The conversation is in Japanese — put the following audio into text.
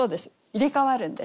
入れ代わるんです。